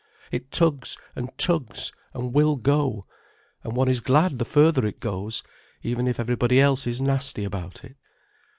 It tugs and tugs and will go, and one is glad the further it goes, even it everybody else is nasty about it.